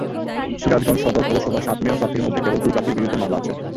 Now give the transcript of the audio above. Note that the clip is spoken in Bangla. সিরাজগঞ্জ সদর পৌরসভায় সাত মেয়র প্রার্থীর মধ্যে কেবল দুই প্রার্থীর বিরুদ্ধে মামলা আছে।